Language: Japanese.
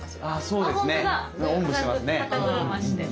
そうですね。